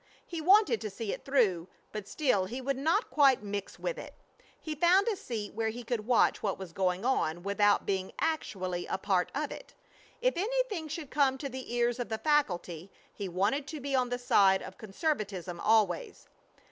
He wanted to see it through, but still he would not quite mix with it. He found a seat where he could watch what was going on without being actually a part of it. If anything should come to the ears of the faculty he wanted to be on the side of conservatism always.